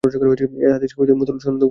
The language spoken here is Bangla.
এ হাদীস মুত্তাসিল সনদেও বর্ণিত হয়েছে।